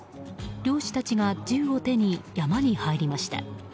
猟師たちが銃を手に山に入りました。